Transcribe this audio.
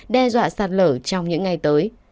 đe dọa sạt lở trong những ngày tới